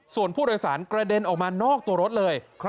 ส่วนผู้โดยสารกระเด็นออกมานอกตัวรถเลย